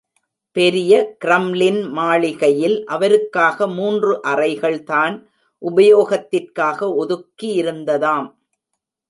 பெரிய கிரம்லின் மாளிகையில் அவருக்காக மூன்று அறைகள் தான் உபயோகத்திற்காக ஒதுக்கியிருந்ததாம்.